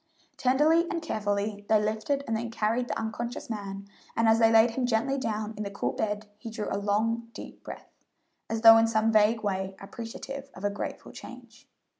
Tenderly and carefully they lifted and then carried the unconscious man, and as they laid him gently down in the cool bed he drew a long, deep breath, as though in some vague way appreciative of a grateful change.